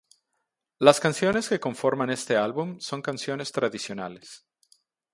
Las canciones que conforman este álbum, son canciones tradicionales.